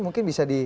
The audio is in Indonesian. mungkin bisa di